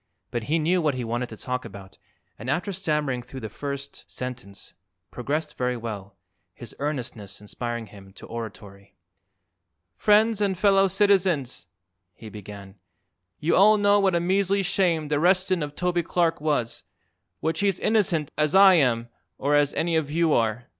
But he knew what he wanted to talk about and after stammering through the first sentence, progressed very well, his earnestness inspiring him to oratory. "Friends and fellow citizens," he began; "you all know what a measly shame the arrestin' of Toby Clark was, which he's innocent as I am or as any of you are.